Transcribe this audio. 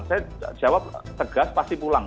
saya jawab tegas pasti pulang